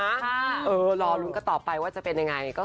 โดยรอรุ้นต่อไปว่าจะเป็นมันยังไง